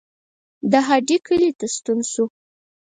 د هډې کلي ته ستون شو.